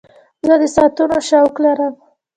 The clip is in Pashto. زه د ساعتونو شوق لرم.